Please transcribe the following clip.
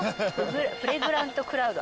フレグラントクラウド